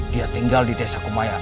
dia tinggal di desa kumayan